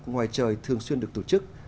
ngoài trời thường xuyên được tổ chức